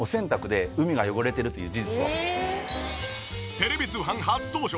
テレビ通販初登場！